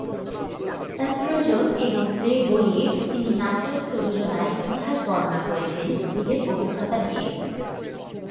তাঁর "প্রযোজক" এবং "প্লে" বইয়ে তিনি নাট্য প্রযোজনার ইতিহাস বর্ণনা করেছেন নিজের অভিজ্ঞতা নিয়ে।